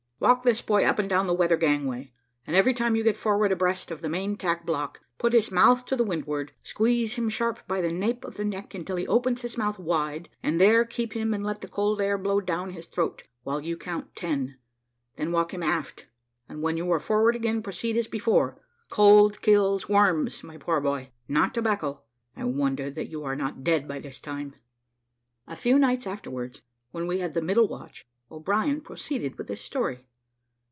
Walk this boy up and down the weather gangway, and every time you get forward abreast of the main tack block, put his mouth to windward, squeeze him sharp by the nape of the neck until he opens his mouth wide, and there keep him and let the cold air blow down his throat, while you count ten; then walk him aft, and when you are forward again proceed as before. Cold kills worms, my poor boy, not tobacco I wonder that you are not dead by this time." A few nights afterwards, when we had the middle watch, O'Brien proceeded with his story.